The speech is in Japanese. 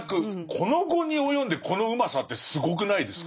この期に及んでこのうまさってすごくないですか。